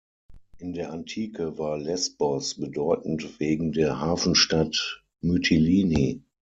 In der Antike war Lesbos bedeutend wegen der Hafenstadt Mytilini.